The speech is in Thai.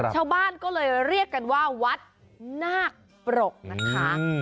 ชาวบ้านก็เลยเรียกกันว่าวัดนาคปรกนะคะ